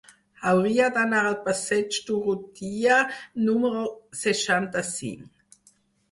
Hauria d'anar al passeig d'Urrutia número seixanta-cinc.